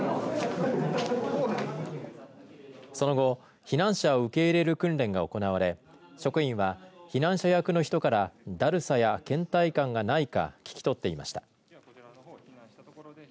その後、避難者を受け入れる訓練が行われ職員は、避難者役の人からだるさや、けん怠感がないか聞き取っていました。